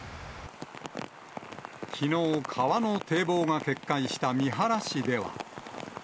きのう、川の堤防が決壊した三原市では。